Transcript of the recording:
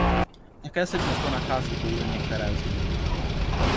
Také se často nachází pouze některé z dílů.